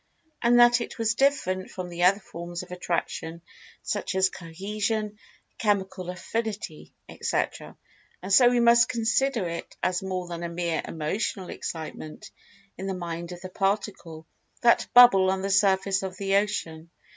And that it was different from the other forms of Attraction such as Cohesion, Chemical Affinity, etc. And, so we must consider it as more than a mere "Emotional Excitement" in the Mind of the Particle—that bubble on the surface of the Ocean.